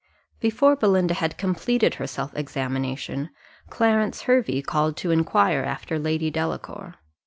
Before Belinda had completed her self examination, Clarence Hervey called to inquire after Lady Delacour.